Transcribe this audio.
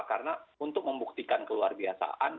karena untuk membuktikan keluar biasaan